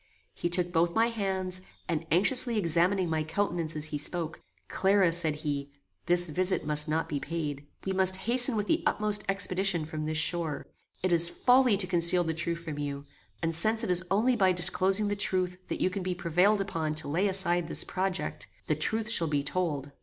He took both my hands, and anxiously examining my countenance as he spoke, "Clara," said he, "this visit must not be paid. We must hasten with the utmost expedition from this shore. It is folly to conceal the truth from you, and, since it is only by disclosing the truth that you can be prevailed upon to lay aside this project, the truth shall be told.